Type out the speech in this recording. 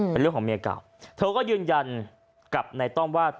เป็นเรื่องของเมียเก่าเธอก็ยืนยันกับในต้อมว่า